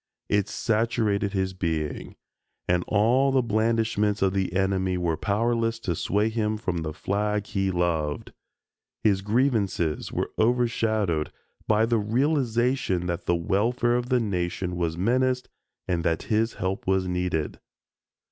It saturated his being and all the blandishments of the enemy were powerless to sway him from the flag he loved. His grievances were overshadowed by the realization that the welfare of the nation was menaced and that his help was needed.